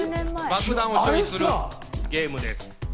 爆弾を処理するゲームです。